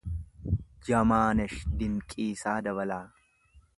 Jamaanesh Dinqiisaa Dabalaa